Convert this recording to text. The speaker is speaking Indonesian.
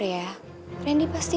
randy pasti banyak yang mau ngapain